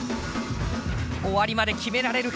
終わりまで決められるか？